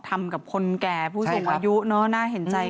ทำกับคนแก่ผู้สูงอายุเนอะน่าเห็นใจ